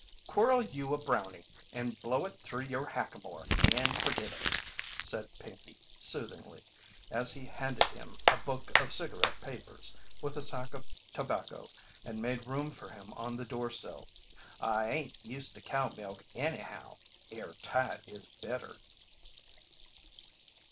"Quirl you a brownie and blow it threw your hackamore and forgit it," said Pinkey, soothingly, as he handed him a book of cigarette papers, with a sack of tobacco and made room for him on the door sill. "I ain't used to cow milk anyhow; air tight is better."